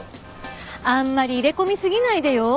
あんまり入れ込みすぎないでよ。